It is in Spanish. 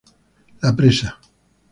La presa.